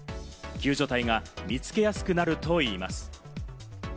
救助隊が見つけやすくなるといいます。